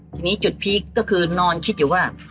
ทีนี้จุดพีคก็คือนอนคิดอยู่ว่า